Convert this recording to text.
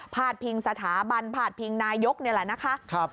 ดพิงสถาบันพาดพิงนายกนี่แหละนะคะ